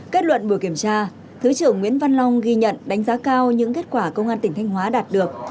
kết luận buổi kiểm tra thứ trưởng nguyễn văn long ghi nhận đánh giá cao những kết quả công an tỉnh thanh hóa đạt được